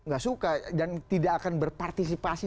gak suka dan tidak akan berpartisipasi